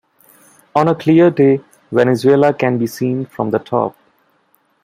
On a clear day Venezuela can be seen from the top.